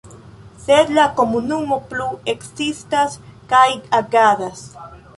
Sed la komunumo plu ekzistas kaj agadas.